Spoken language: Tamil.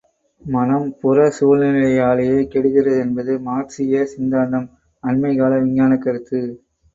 மனம் புறச்சூழ்நிலையாலேயே கெடுகிறது என்பது மார்க்சிய சித்தாந்தம் அண்மைக்கால விஞ்ஞானக் கருத்து.